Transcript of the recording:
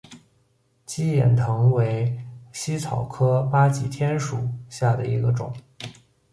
鸡眼藤为茜草科巴戟天属下的一个种。